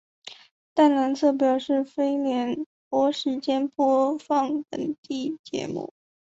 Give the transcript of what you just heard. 淡蓝色表示为非联播时间播放本地节目。